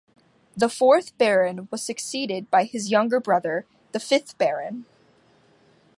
The fourth baron was succeeded by his younger brother, the fifth baron.